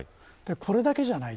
これだけじゃない。